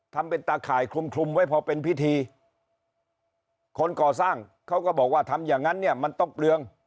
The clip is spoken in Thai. ทำเป็นตาข่ายคลุมคลุมไว้พอเป็นพิธีคนก่อสร้างเขาก็บอกว่าทำอย่างนั้นเนี่ยมันต้องเปลือง